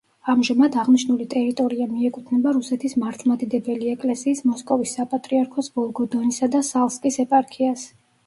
ამჟამად აღნიშნული ტერიტორია მიეკუთვნება რუსეთის მართლმადიდებელი ეკლესიის მოსკოვის საპატრიარქოს ვოლგოდონისა და სალსკის ეპარქიას.